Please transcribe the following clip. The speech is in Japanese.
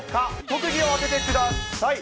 特技を当ててください。